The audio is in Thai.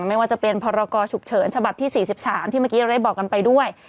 ไม่ว่าจะเป็นพรกรฉุกเฉินฉบับที่๔๓ที่เมื่อกี้เราได้บอกกันไปด้วย